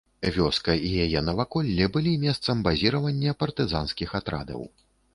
Вёска і яе наваколле былі месцам базіравання партызанскіх атрадаў.